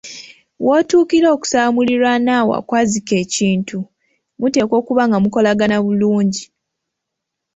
Wotuukira okusaba muliraanwa wo akwazike ekintu, muteekwa okuba nga mukolagana bulungi